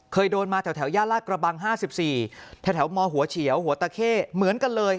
เคยโดนมาแถวย่านลาดกระบัง๕๔แถวมหัวเฉียวหัวตะเข้เหมือนกันเลย